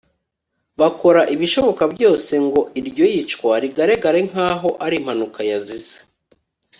bakora ibishoboka byose ngo iryo yicwa rigaragare nk'aho ari impanuka yazize.